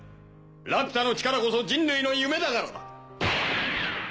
ラピュタの力こそ人類の夢だからだ。